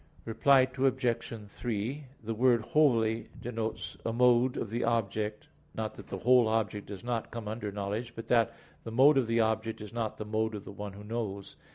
Reply Obj. 3: The word "wholly" denotes a mode of the object; not that the whole object does not come under knowledge, but that the mode of the object is not the mode of the one who knows.